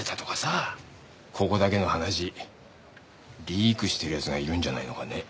ここだけの話リークしてる奴がいるんじゃないのかね？